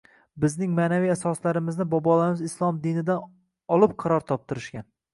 Bizning ma’naviy asoslarimizni bobolarimiz islom dinidan olib qaror toptirishgan.